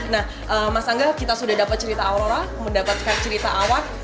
nah mas angga kita sudah dapat cerita aurora mendapatkan cerita awak